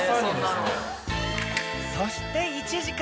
［そして］